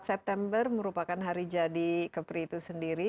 dua puluh empat september merupakan hari jadi kepri itu sendiri